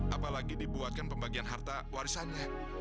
apalagi dibuatkan pembagian harta warisannya